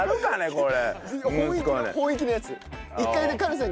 これ。